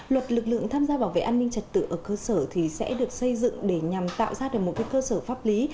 luật lực lượng tham gia bảo vệ an ninh trật tự ở cơ sở sẽ được xây dựng để nhằm tạo ra được một cơ sở pháp lý